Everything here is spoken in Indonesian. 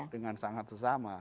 dengan sangat sesama